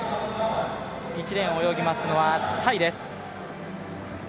１レーンを泳ぎますのはタイです。